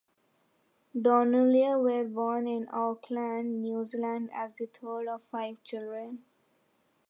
Donnelly was born in Auckland, New Zealand as the third of five children.